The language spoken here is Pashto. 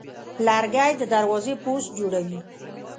لرګی د دروازې پوست جوړوي.